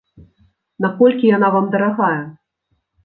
Наколькі яна вам дарагая?